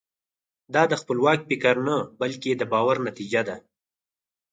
دا د خپلواک فکر نه بلکې د باور نتیجه ده.